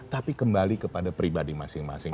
tapi kembali kepada pribadi masing masing